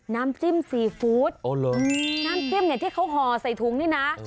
น้ำจิ้มซีฟู้ดน้ำจิ้มเนี่ยที่เขาห่อใส่ถุงนี่นะ